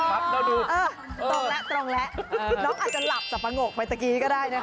โอ้โธ่เฮ้ยโอ้โธ่ตรงแล้วน้องอาจจะหลับสะปะโงกไปตะกี้ก็ได้นะคะ